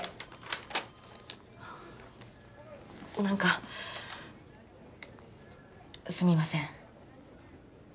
何かすみません。